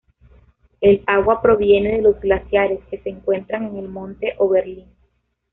El agua proviene de los glaciares que se encuentran en el monte Oberlin.